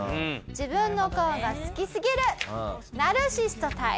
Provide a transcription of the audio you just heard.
自分の顔が好きすぎるナルシストタイプ。